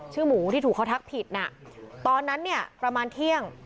หมูที่ถูกเขาทักผิดน่ะตอนนั้นเนี่ยประมาณเที่ยง